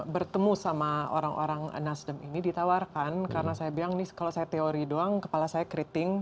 bertemu sama orang orang nasdem ini ditawarkan karena saya bilang nih kalau saya teori doang kepala saya keriting